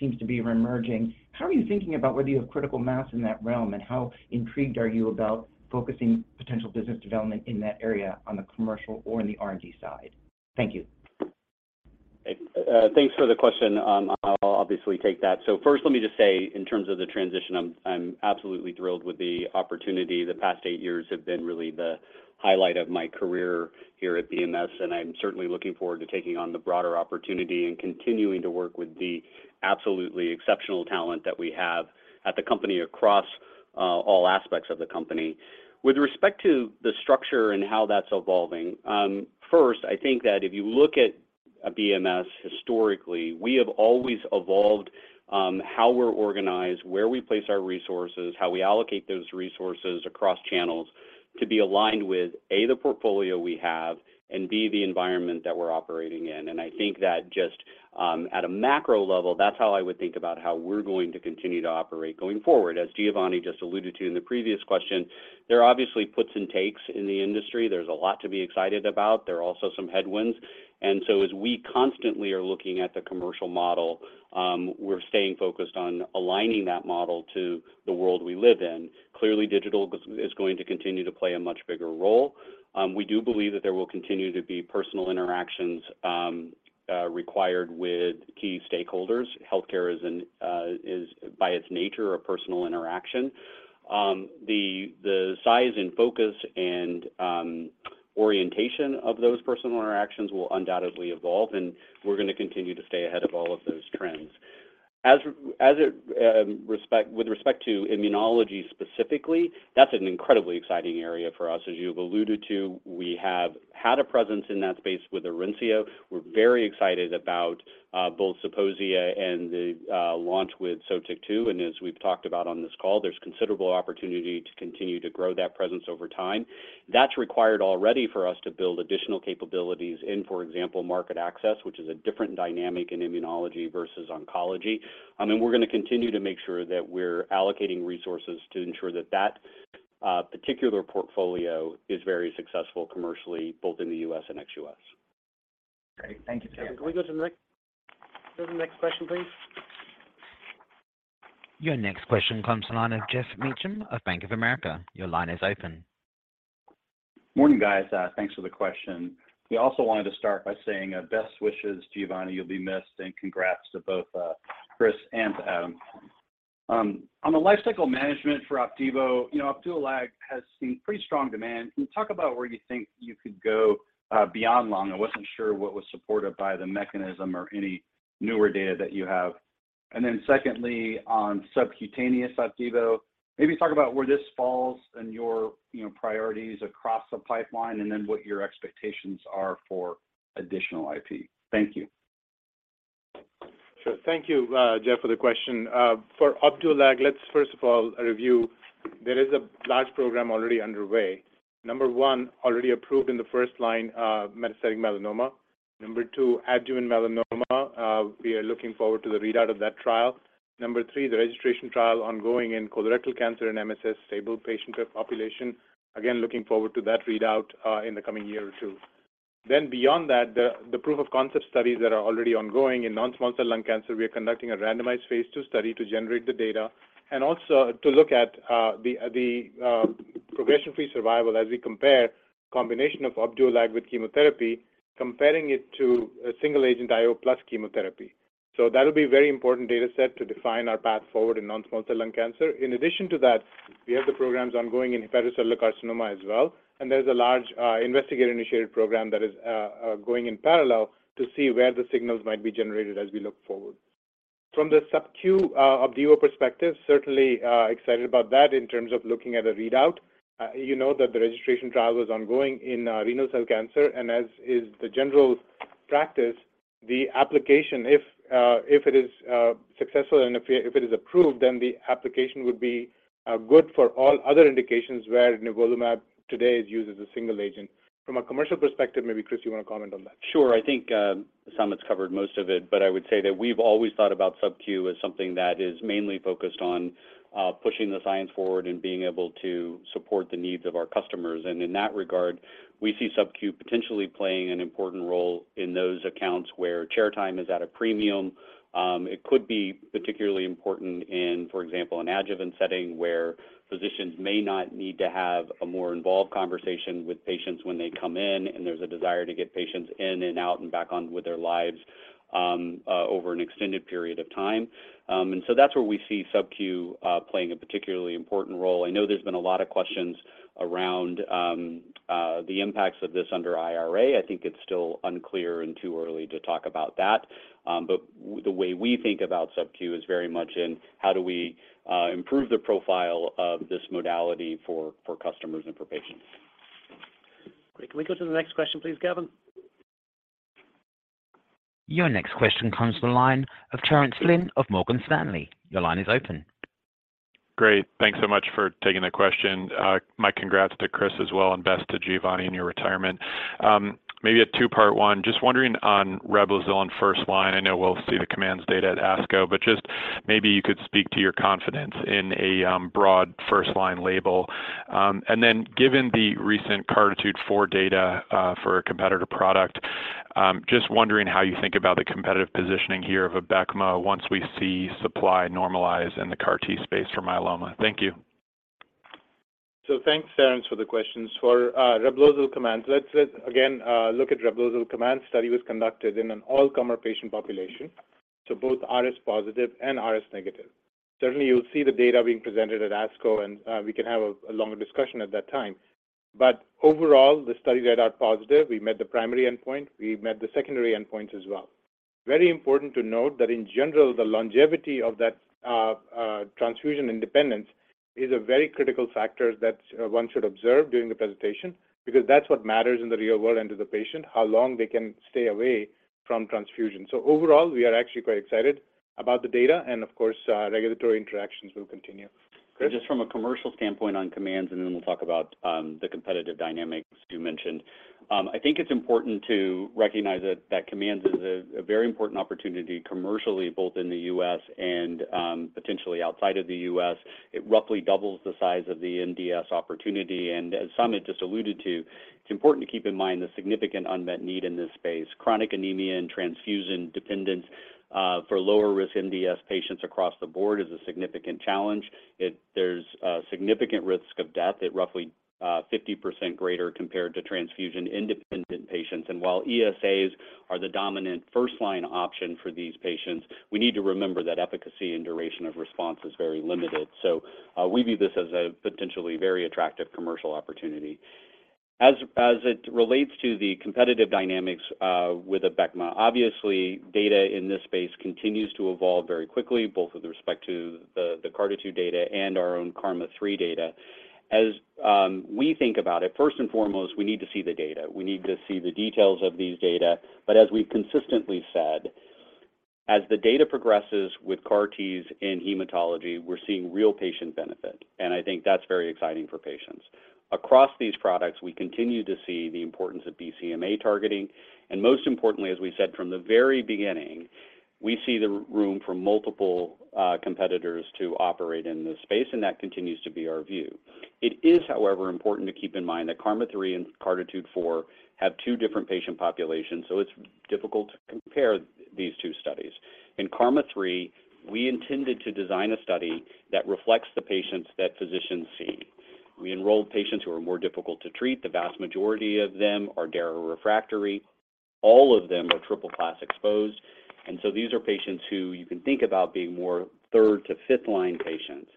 seems to be reemerging. How are you thinking about whether you have critical mass in that realm, and how intrigued are you about focusing potential business development in that area on the commercial or in the R&D side? Thank you.
Thanks for the question. I'll obviously take that. First, let me just say, in terms of the transition, I'm absolutely thrilled with the opportunity. The past eight years have been really the highlight of my career here at BMS, and I'm certainly looking forward to taking on the broader opportunity and continuing to work with the absolutely exceptional talent that we have at the company across all aspects of the company. With respect to the structure and how that's evolving, first, I think that if you look at BMS historically, we have always evolved, how we're organized, where we place our resources, how we allocate those resources across channels to be aligned with, A, the portfolio we have, and B, the environment that we're operating in. I think that just, at a macro level, that's how I would think about how we're going to continue to operate going forward. As Giovanni just alluded to in the previous question, there are obviously puts and takes in the industry. There's a lot to be excited about. There are also some headwinds. As we constantly are looking at the commercial model, we're staying focused on aligning that model to the world we live in. Clearly, digital is going to continue to play a much bigger role. We do believe that there will continue to be personal interactions required with key stakeholders. Healthcare is by its nature, a personal interaction. The size and focus and orientation of those personal interactions will undoubtedly evolve, and we're gonna continue to stay ahead of all of those trends. As it with respect to immunology specifically, that's an incredibly exciting area for us. As you've alluded to, we have had a presence in that space with Orencia. We're very excited about both Zeposia and the launch with Sotyktu. As we've talked about on this call, there's considerable opportunity to continue to grow that presence over time. That's required already for us to build additional capabilities in, for example, market access, which is a different dynamic in immunology versus oncology. I mean, we're gonna continue to make sure that we're allocating resources to ensure that that particular portfolio is very successful commercially, both in the U.S. and ex-U.S.
Great. Thank you.
Can we go to the next question, please?
Your next question comes the line of Geoff Meacham of Bank of America. Your line is open.
Morning, guys. Thanks for the question. We also wanted to start by saying, best wishes, Giovanni. You'll be missed, and congrats to both, Chris and Adam. On the lifecycle management for Opdivo, you know Opdualag has seen pretty strong demand. Can you talk about where you think you could go beyond lung? I wasn't sure what was supported by the mechanism or any newer data that you have. Secondly, on subcutaneous Opdivo, maybe talk about where this falls in your, you know, priorities across the pipeline and then what your expectations are for additional IP. Thank you.
Sure. Thank you, Geoff, for the question. For Opdualag, let's first of all review there is a large program already underway. Number one, already approved in the first line of metastatic melanoma. Number two, adjuvant melanoma. We are looking forward to the readout of that trial. Number three the registration trial ongoing in colorectal cancer and MSS stable patient population. Again, looking forward to that readout in the coming year or two. Beyond that, the proof of concept studies that are already ongoing in non-small cell lung cancer, we are conducting a randomized phase two study to generate the data and also to look at the progression-free survival as we compare combination of Opdualag with chemotherapy, comparing it to a single agent IO plus chemotherapy. That'll be very important data set to define our path forward in non-small cell lung cancer. In addition to that, we have the programs ongoing in hepatocellular carcinoma as well, and there's a large investigator-initiated program that is going in parallel to see where the signals might be generated as we look forward. From the subcu Opdivo perspective, certainly excited about that in terms of looking at a readout. You know that the registration trial was ongoing in renal cell cancer, and as is the general practice, the application, if it is successful and if it is approved, then the application would be good for all other indications where nivolumab today is used as a single agent. From a commercial perspective, maybe, Chris, you want to comment on that?
Sure. I think Samit's covered most of it, but I would say that we've always thought about subcu as something that is mainly focused on pushing the science forward and being able to support the needs of our customers. In that regard, we see subcu potentially playing an important role in those accounts where chair time is at a premium. It could be particularly important in, for example, an adjuvant setting where physicians may not need to have a more involved conversation with patients when they come in, and there's a desire to get patients in and out and back on with their lives over an extended period of time. So that's where we see subcu playing a particularly important role. I know there's been a lot of questions around the impacts of this under IRA. I think it's still unclear and too early to talk about that. The way we think about subcu is very much in how do we improve the profile of this modality for customers and for patients.
Great. Can we go to the next question, please, Gavin?
Your next question comes to the line of Terence Flynn of Morgan Stanley. Your line is open.
Great. Thanks so much for taking the question. My congrats to Chris as well and best to Giovanni in your retirement. Maybe a two-part one. Just wondering on Reblozyl in first line. I know we'll see the COMMANDS data at ASCO, but just maybe you could speak to your confidence in a broad first line label. Given the recent CARTITUDE- four data for a competitor product, just wondering how you think about the competitive positioning here of a BCMA once we see supply normalize in the CAR T space for myeloma. Thank you.
Thanks, Terence, for the questions. For Reblozyl COMMANDS, let's again look at Reblozyl COMMANDS study was conducted in an all-comer patient population, so both RS positive and RS negative. Certainly, you'll see the data being presented at ASCO, and we can have a longer discussion at that time. Overall, the study readout positive, we met the primary endpoint. We met the secondary endpoints as well. Very important to note that in general, the longevity of that transfusion independence is a very critical factor that one should observe during the presentation because that's what matters in the real world and to the patient, how long they can stay away from transfusion. Overall, we are actually quite excited about the data and of course, regulatory interactions will continue. Chris?
Just from a commercial standpoint on COMMANDS, and then we'll talk about the competitive dynamics you mentioned. I think it's important to recognize that COMMANDS is a very important opportunity commercially, both in the U.S. and potentially outside of the U.S. It roughly doubles the size of the MDS opportunity. As Samit just alluded to, it's important to keep in mind the significant unmet need in this space. Chronic anemia and transfusion dependence for lower risk MDS patients across the board is a significant challenge. There's a significant risk of death at roughly 50% greater compared to transfusion-independent patients. While ESAs are the dominant first line option for these patients, we need to remember that efficacy and duration of response is very limited. We view this as a potentially very attractive commercial opportunity. As it relates to the competitive dynamics, with a BCMA, obviously, data in this space continues to evolve very quickly, both with respect to the CARTITUDE data and our own KarMMa-three data. As we think about it, first and foremost, we need to see the data. We need to see the details of these data. As we've consistently said, as the data progresses with CAR Ts in hematology, we're seeing real patient benefit, and I think that's very exciting for patients. Across these products, we continue to see the importance of BCMA targeting, and most importantly, as we said from the very beginning, we see the room for multiple competitors to operate in this space, and that continues to be our view. It is, however, important to keep in mind that KarMMa-three and CARTITUDE-four have two different patient populations, it's difficult to compare these two studies. In KarMMa-three, we intended to design a study that reflects the patients that physicians see. We enrolled patients who are more difficult to treat. The vast majority of them are Dara-refractory. All of them are triple class exposed. These are patients who you can think about being more third to fifth line patients.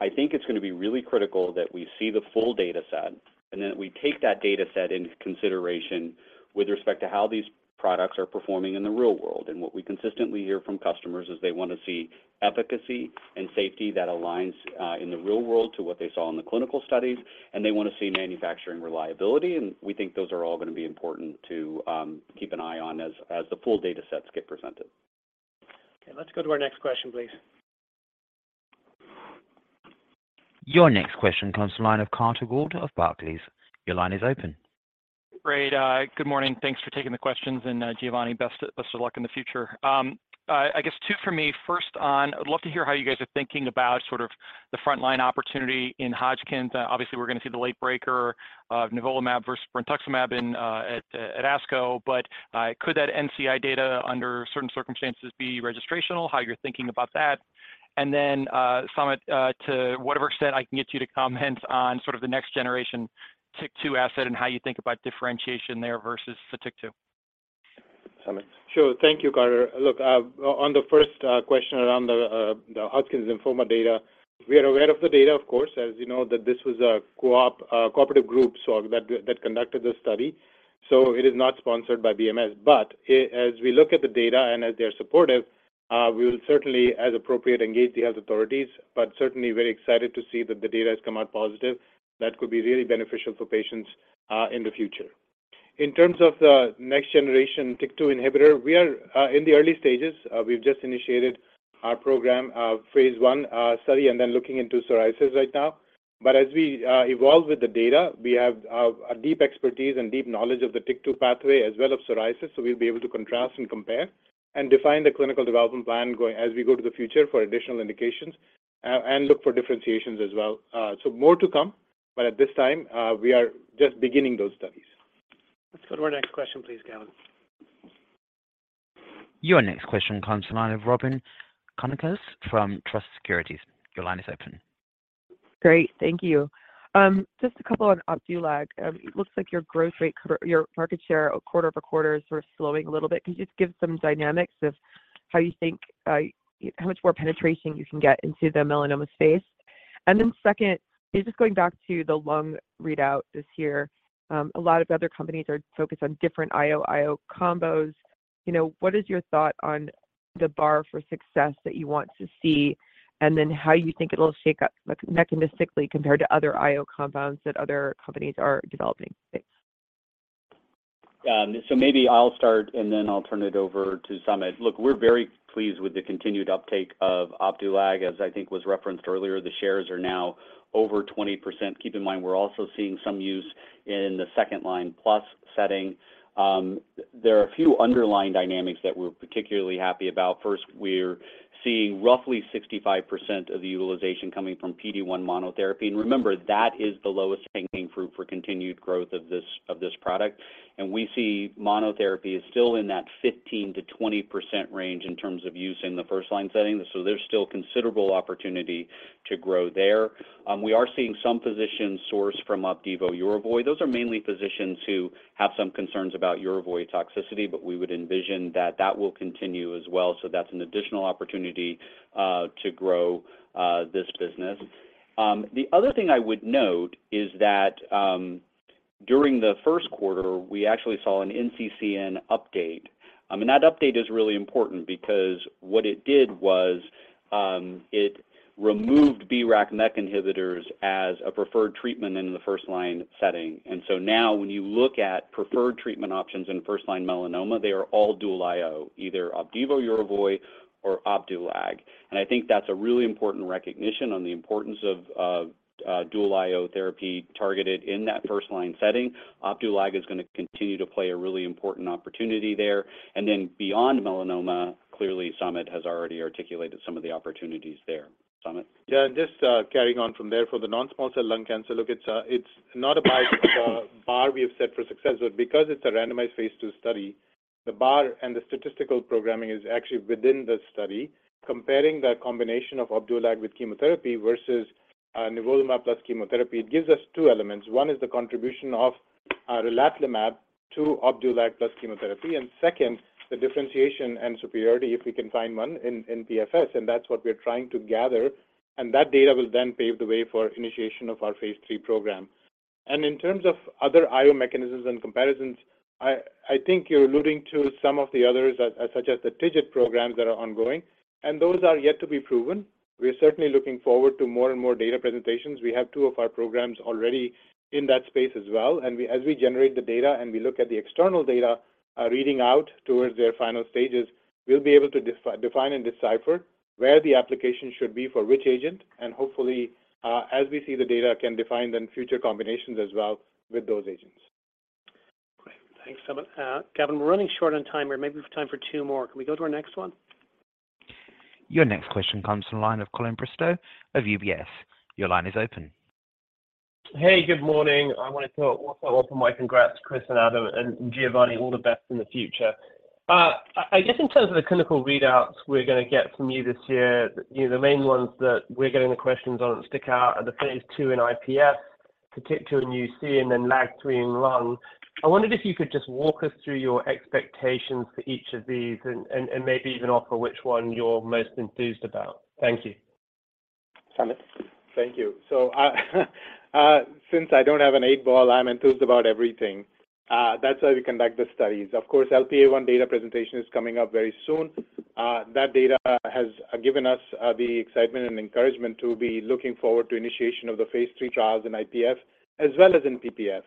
I think it's going to be really critical that we see the full data set and that we take that data set into consideration with respect to how these products are performing in the real world. What we consistently hear from customers is they want to see efficacy and safety that aligns in the real world to what they saw in the clinical studies, and they want to see manufacturing reliability. We think those are all going to be important to keep an eye on as the full data sets get presented.
Okay, let's go to our next question, please.
Your next question comes from the line of Carter Gould of Barclays. Your line is open.
Great. good morning. Thanks for taking the questions. Giovanni, best of luck in the future. I guess two for me. First on, I'd love to hear how you guys are thinking about sort of the frontline opportunity in Hodgkin's. Obviously, we're going to see the late breaker of nivolumab versus brentuximab at ASCO. Could that NCI data, under certain circumstances, be registrational, how you're thinking about that? Samit, to whatever extent I can get you to comment on sort of the next generation TYK two asset and how you think about differentiation there versus Sotyktu.
Samit.
Sure. Thank you, Carter. Look, on the first question around the Hodgkin lymphoma data, we are aware of the data, of course, as you know, that this was a co-op, a cooperative group, so that conducted this study. So it is not sponsored by BMS. As we look at the data and as they are supportive, we will certainly, as appropriate, engage the health authorities, but certainly very excited to see that the data has come out positive. That could be really beneficial for patients in the future. In terms of the next generation TYK two inhibitor, we are in the early stages. We've just initiated our program, phase one study and then looking into psoriasis right now. As we evolve with the data, we have a deep expertise and deep knowledge of the TYK two pathway as well as psoriasis. We'll be able to contrast and compare and define the clinical development plan as we go to the future for additional indications, and look for differentiations as well. More to come, but at this time, we are just beginning those studies.
Let's go to our next question, please, Gavin.
Your next question comes to the line of Robyn Karnauskas from Truist Securities. Your line is open.
Great. Thank you. Just a couple on Opdualag. It looks like your market share quarter-over-quarter is sort of slowing a little bit. Can you just give some dynamics of how you think, how much more penetration you can get into the melanoma space? Second, just going back to the lung readout this year, a lot of other companies are focused on different IO combos. You know, what is your thought on the bar for success that you want to see, and then how you think it'll shake up mechanistically compared to other IO compounds that other companies are developing? Thanks.
Maybe I'll start, and then I'll turn it over to Samit. Look, we're very pleased with the continued uptake of Opdualag. As I think was referenced earlier, the shares are now over 20%. Keep in mind, we're also seeing some use in the second-line plus setting. There are a few underlying dynamics that we're particularly happy about. First, we're seeing roughly 65% of the utilization coming from PD-one monotherapy. Remember, that is the lowest hanging fruit for continued growth of this, of this product. We see monotherapy is still in that 15%-20% range in terms of use in the first line setting. There's still considerable opportunity to grow there. We are seeing some physicians source from Opdivo Yervoy. Those are mainly physicians who have some concerns about Yervoy toxicity, but we would envision that that will continue as well. That's an additional opportunity to grow this business. The other thing I would note is that during the Q1, we actually saw an NCCN update. That update is really important because what it did was it removed BRAF/MEK inhibitors as a preferred treatment in the first line setting. Now when you look at preferred treatment options in first line melanoma, they are all dual IO, either Opdivo Yervoy or Opdualag. I think that's a really important recognition on the importance of dual IO therapy targeted in that first line setting. Opdualag is going to continue to play a really important opportunity there. Beyond melanoma, clearly, Samit has already articulated some of the opportunities there. Samit.
Yeah, just carrying on from there for the non-small cell lung cancer. Look, it's not a bar we have set for success, but because it's a randomized phase two study, the bar and the statistical programming is actually within the study, comparing the combination of Opdualag with chemotherapy versus nivolumab plus chemotherapy. It gives us two elements. One is the contribution of relatlimab to Opdualag plus chemotherapy, and second, the differentiation and superiority, if we can find one in PFS, and that's what we're trying to gather. That data will then pave the way for initiation of our phase three program. In terms of other IO mechanisms and comparisons, I think you're alluding to some of the others, such as the TIGIT programs that are ongoing, and those are yet to be proven. We are certainly looking forward to more and more data presentations. We have two of our programs already in that space as well. As we generate the data and we look at the external data, reading out towards their final stages, we'll be able to define and decipher where the application should be for which agent, and hopefully, as we see the data can define then future combinations as well with those agents.
Great. Thanks, Samit. Gavin, we're running short on time. We maybe have time for two more. Can we go to our next one?
Your next question comes from the line of Colin Bristow of UBS. Your line is open.
Hey, good morning. I want to also offer my congrats, Chris and Adam and Giovanni. All the best in the future. I guess in terms of the clinical readouts we're gonna get from you this year, you know, the main ones that we're getting the questions on stick out are the phase two in IPF, TYK two in UC, and then LAG three in lung. I wondered if you could just walk us through your expectations for each of these and maybe even offer which one you're most enthused about. Thank you.
Samit.
Thank you. Since I don't have an eight ball, I'm enthused about everything. That's how we conduct the studies. Of course, LPA1 data presentation is coming up very soon. That data has given us the excitement and encouragement to be looking forward to initiation of the phase three trials in IPF as well as in PPF.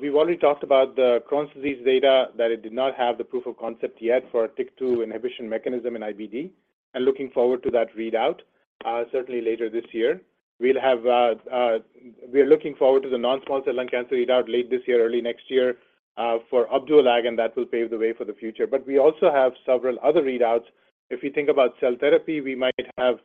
We've already talked about the Crohn's disease data that it did not have the proof of concept yet for a TYK two inhibition mechanism in IBD and looking forward to that readout certainly later this year. We'll have, we're looking forward to the non-small cell lung cancer readout late this year, early next year for Opdualag, and that will pave the way for the future. We also have several other readouts. If you think about cell therapy, we might have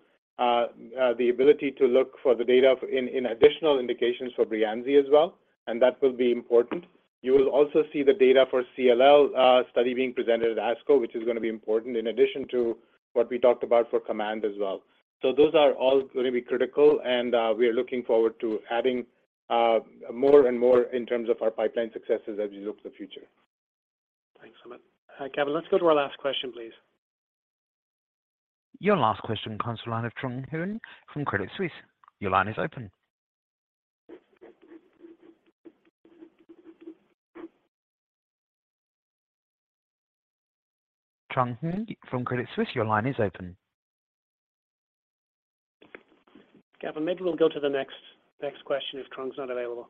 the ability to look for the data in additional indications for Breyanzi as well. That will be important. You will also see the data for CLL study being presented at ASCO, which is going to be important in addition to what we talked about for COMMANDS as well. Those are all going to be critical and we are looking forward to adding more and more in terms of our pipeline successes as we look to the future.
Thanks, Samit. Gavin, let's go to our last question, please.
Your last question comes from line of Trung Huynh from Credit Suisse. Your line is open. Trung Huynh from Credit Suisse, your line is open.
Gavin, maybe we'll go to the next question if Trung's not available.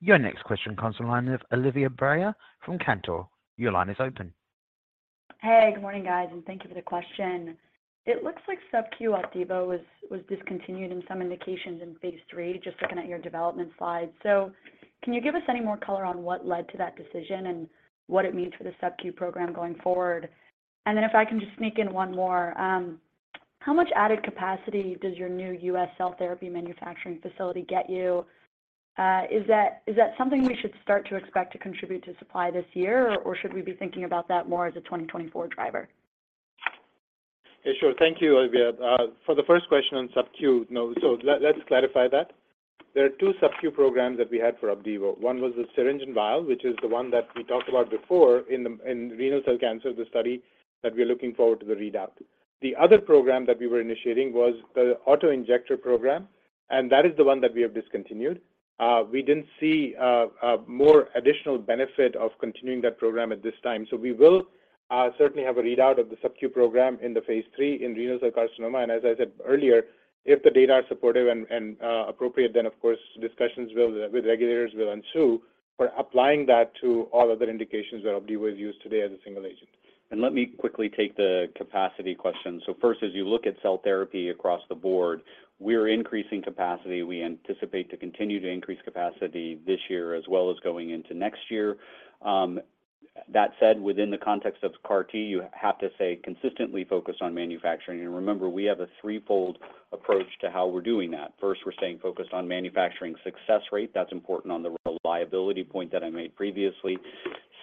Your next question comes from line of Olivia Brayer from Cantor. Your line is open.
Hey, good morning, guys, and thank you for the question. It looks like subQ Opdivo was discontinued in some indications in phase three, just looking at your development slides. Can you give us any more color on what led to that decision and what it means for the subQ program going forward? If I can just sneak in one more. How much added capacity does your new U.S. cell therapy manufacturing facility get you? Is that something we should start to expect to contribute to supply this year, or should we be thinking about that more as a 2024 driver?
Yeah, sure. Thank you, Olivia. For the first question on subQ. No. Let's clarify that. There are two subQ programs that we had for Opdivo. One was the syringe and vial, which is the one that we talked about before in the, in renal cell cancer, the study that we're looking forward to the readout. The other program that we were initiating was the auto-injector program, and that is the one that we have discontinued. We didn't see more additional benefit of continuing that program at this time. We will certainly have a readout of the subQ program in the phase three in renal cell carcinoma. As I said earlier, if the data are supportive and appropriate, then of course, discussions with regulators will ensue for applying that to all other indications where Opdivo is used today as a single agent.
Let me quickly take the capacity question. First, as you look at cell therapy across the board, we're increasing capacity. We anticipate to continue to increase capacity this year as well as going into next year. That said, within the context of CAR T, you have to say consistently focused on manufacturing. Remember, we have a threefold approach to how we're doing that. First, we're staying focused on manufacturing success rate. That's important on the reliability point that I made previously.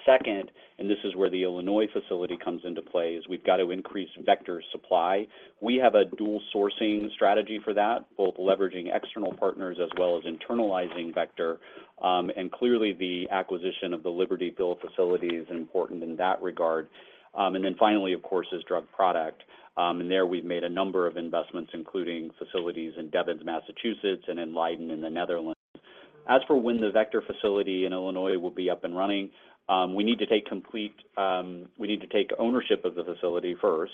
Second, and this is where the Illinois facility comes into play, is we've got to increase vector supply. We have a dual sourcing strategy for that, both leveraging external partners as well as internalizing vector. And clearly the acquisition of the Libertyville facility is important in that regard. And then finally, of course, is drug product. There we've made a number of investments, including facilities in Devens, Massachusetts, and in Leiden in the Netherlands. As for when the vector facility in Illinois will be up and running, we need to take complete ownership of the facility first,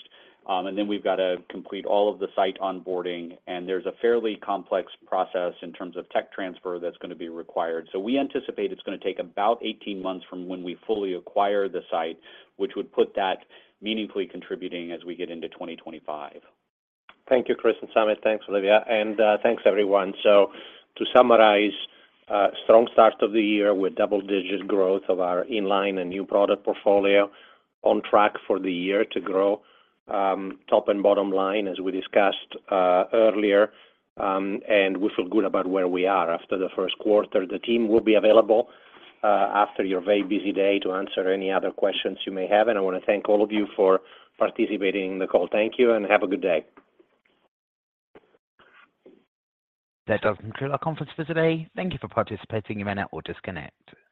then we've got to complete all of the site onboarding, and there's a fairly complex process in terms of tech transfer that's going to be required. We anticipate it's going to take about 18 months from when we fully acquire the site, which would put that meaningfully contributing as we get into 2025.
Thank you, Chris and Samit. Thanks, Olivia. Thanks, everyone. To summarize, a strong start of the year with double-digit growth of our in-line and new product portfolio on track for the year to grow, top and bottom line, as we discussed earlier. We feel good about where we are after the Q1. The team will be available after your very busy day to answer any other questions you may have. I want to thank all of you for participating in the call. Thank you and have a good day.
That does conclude our conference for today. Thank you for participating. You may now disconnect.